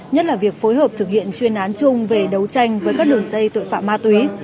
nhất là việc phối hợp thực hiện chuyên án chung về đấu tranh với các đường dây tội phạm ma túy